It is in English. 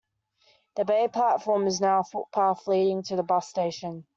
The bay platform is now a footpath leading to the bus station.